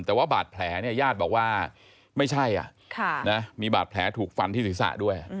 แต่ว่าบาดแผลเนี่ยญาติบอกว่าไม่ใช่มีบาดแผลถูกฟันที่ศีรษะด้วย